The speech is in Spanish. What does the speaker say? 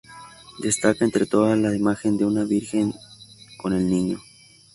Destaca entre todas la imagen de una Virgen con el Niño.